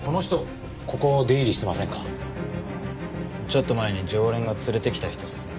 ちょっと前に常連が連れてきた人っすね。